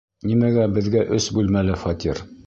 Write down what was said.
Нимәгә беҙгә өс бүлмәле фатир?